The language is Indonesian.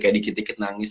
kayak dikit dikit nangis